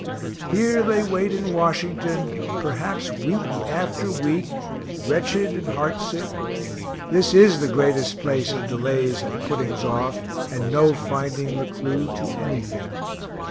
Here they wait in Washington, perhaps week after week, wretched and heart sick this is the greatest place of delays and puttings off, and no finding the clue to anything.